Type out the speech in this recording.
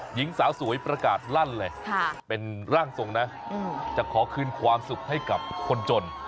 หญิงสาวสวยประกาศลั่นเลยเป็นร่างทรงนะจะขอคืนความสุขให้กับคนจน